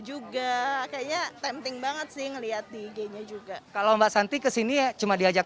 juga kayaknya penting banget sih ngeliat di genya juga kalau mbak santi kesini ya cuma diajak